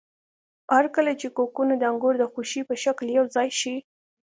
هرکله چې کوکونه د انګور د خوشې په شکل یوځای شي.